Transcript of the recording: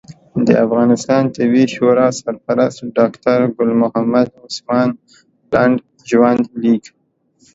د افغانستان طبي شورا سرپرست ډاکټر ګل محمد عثمان لنډ ژوند لیک